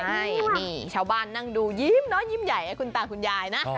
นี่ชาวบ้านนั่งดูยิ้มน้อยยิ้มใหญ่ให้คุณตาคุณยายนะ